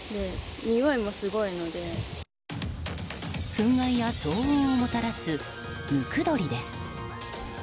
フン害や騒音をもたらすムクドリです。